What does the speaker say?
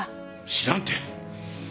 知らんて。